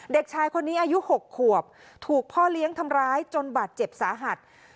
เด็กชายคนนี้อายุ๖ขวบถูกพ่อเลี้ยงทำร้ายจนบาดเจ็บสาหัส